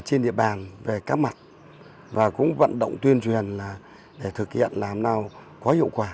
trên địa bàn về các mặt và cũng vận động tuyên truyền để thực hiện làm nào có hiệu quả